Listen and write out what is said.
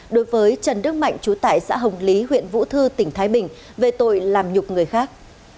đối với trần đức mạnh chú tại xã hồng lý huyện vũ thư tỉnh thái bình về tội làm nhục người khác